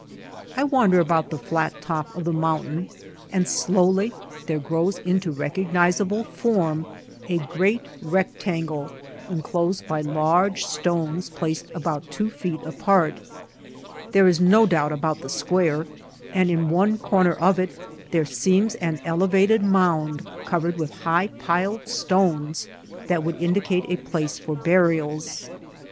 I wander about the flat top of the mountain and slowly there grows into recognizable form a great rectangle enclosed by large stones placed about two feet apart. There is no doubt about the square and in one corner of it there seems an elevated mound covered with high piled stones that would indicate a place for burials.